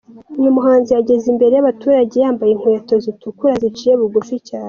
Uyu muhanzi yageze imbere y’abaturage yambaye inkweto zitukura ziciye bugufi cyane.